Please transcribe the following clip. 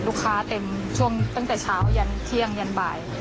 ลูกค้าเต็มตั้งแต่เช้ายันเที่ยงยันบ่าย